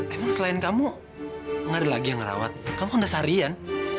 emang selain kamu gak ada lagi yang ngerawat kamu udah seharian